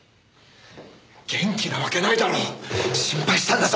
元気なわけないだろう！心配したんだぞ！